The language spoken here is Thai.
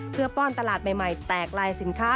เพื่อป้อนตลาดใหม่แตกลายสินค้า